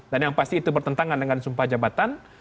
dan yang pasti itu bertentangan dengan sumpah jabatan